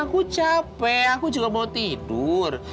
aku capek aku juga mau tidur